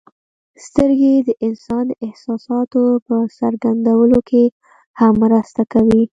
سترګې د انسان د احساساتو په څرګندولو کې هم مرسته کوي.